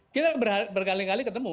kita berkali kali ketemu